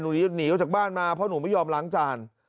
หนูอยากหนีกันออกจากบ้านมาเพราะหนูไม่ยอมหล้างจ่าน